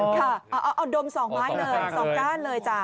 อ๋อค่ะเอาอ่าอ่ออดมสองม้ายเลยสองด้านเลยจ่ะ